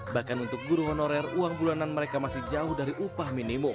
bahkan untuk guru honorer uang bulanan mereka masih jauh